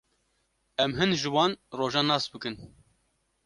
Em hin ji wan rojan nas bikin.